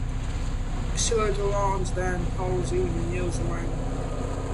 She later launched the anthology in New Zealand.